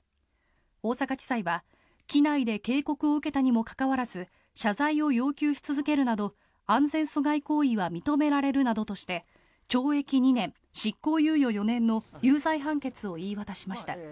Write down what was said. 大阪地裁は、機内で警告を受けたにもかかわらず謝罪を要求し続けるなど安全阻害行為は認められるなどとして懲役２年執行猶予４年の有罪判決を言い渡しました。